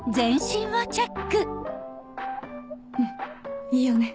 うんいいよね